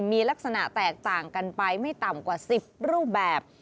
มีลักษณะแตกต่างกันไปไม่ต่ำกว่า๑๐รูปแบบ